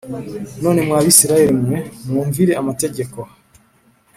None mwa Bisirayeli mwe mwumvire amategeko